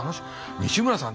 西村さん。